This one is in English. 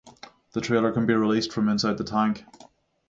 The trailer can be released from inside the tank.